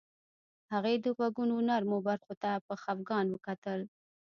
هغې د غوږونو نرمو برخو ته په خفګان وکتل